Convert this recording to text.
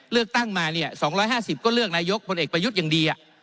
เลือกตั้งมาเนี่ย๒๕๐ก็เลือกนายกผลเอกไปยุดอย่างดี